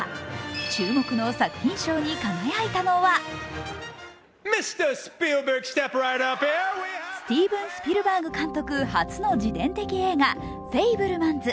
注目の作品賞に輝いたのはスティーブン・スピルバーグ監督初の自伝的映画「フェイブルマンズ」。